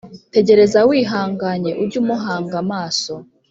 Tegereza wihanganye ujyumuhanga amaso